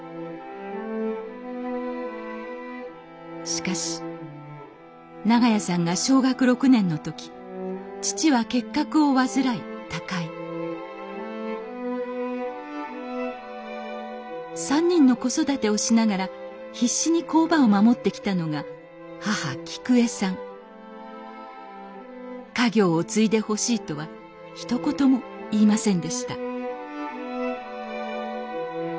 しかし長屋さんが小学６年の時父は結核を患い他界３人の子育てをしながら必死に工場を守ってきたのが家業を継いでほしいとはひと言も言いませんでした